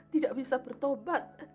tidak bisa bertobat